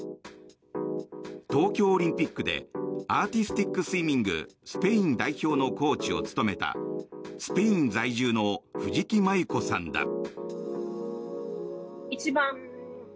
東京オリンピックでアーティスティックスイミングスペイン代表のコーチを務めたスペイン在住の藤木麻祐子さんだ。